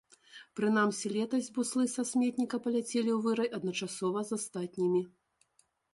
Прынамсі летась буслы са сметніка паляцелі ў вырай адначасова з астатнімі.